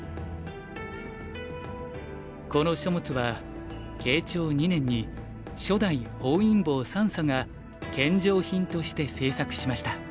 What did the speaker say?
この書物は慶長２年に初代本因坊算砂が献上品として制作しました。